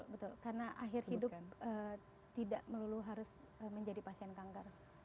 betul karena akhir hidup tidak melulu harus menjadi pasien kanker